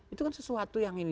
itu kan sesuatu yang ini